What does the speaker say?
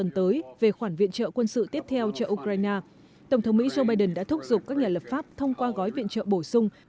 tổng thống mỹ joe biden đã thúc giục các nhà lập pháp thông qua gói viện trợ bổ sung